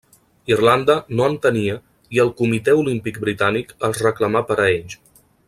Irlanda no en tenia i el Comitè Olímpic Britànic els reclamà per a ells.